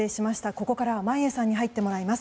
ここからは眞家さんに入ってもらいます。